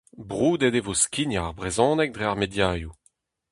Broudet e vo skignañ ar brezhoneg dre ar mediaoù.